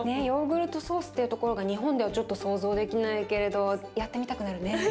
ヨーグルトソースっていうところが日本ではちょっと想像できないけれどやってみたくなるね。